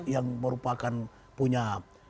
yang merupakan punya